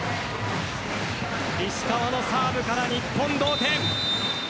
石川のサーブから日本同点。